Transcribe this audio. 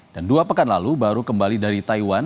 dan dua pekan lalu baru kembali dari taiwan